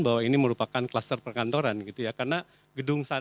bahwa ini merupakan kluster perkantoran